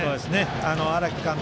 荒木監督